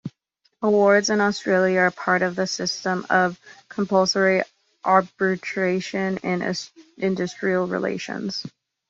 Awards in Australia are part of the system of compulsory arbitration in industrial relations.